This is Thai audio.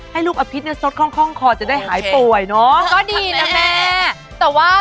ให้ลูกอภิกต์เนื้อเศษข้องคอกล้องคอจะได้หายป่วยเนาะ